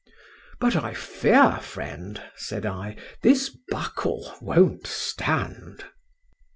—But I fear, friend! said I, this buckle won't stand.